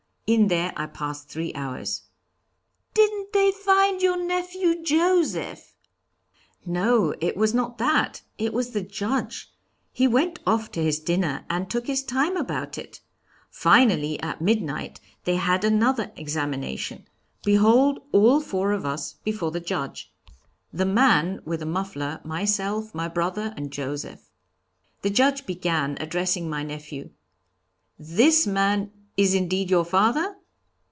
In there I passed three hours." "Didn't they find your nephew Joseph?" "No, it was not that. It was the Judge. He went off to his dinner, and took his time about it! Finally, at midnight, they had another examination. Behold all four of us before the Judge! The man with the muffler, myself, my brother and Joseph. The Judge began, addressing my nephew: 'This man is indeed your father?'